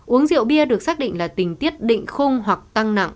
uống rượu bia được xác định là tình tiết định khung hoặc tăng nặng